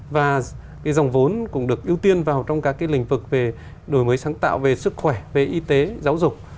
và cái dòng vốn cũng được ưu tiên vào trong các cái lĩnh vực về đổi mới sáng tạo về sức khỏe về y tế giáo dục